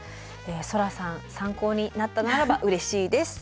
そらさん参考になったならばうれしいです。